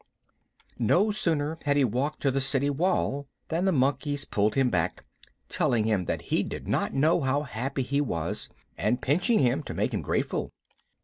No sooner had he walked to the city wall than the monkeys pulled him back, telling him that he did not know how happy he was, and pinching him to make him grateful.